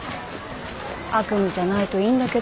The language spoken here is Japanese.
悪夢じゃないといいんだけど。